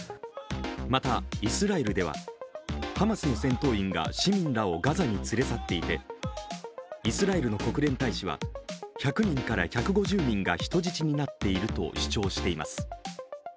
また、イスラエルではハマスの戦闘員が市民らをガザに連れ去っていてイスラエルの国連大使は１００人から１５０人が人質になっていると主張しています。